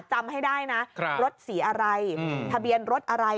จำให้ได้นะรถสีอะไรทะเบียนรถอะไร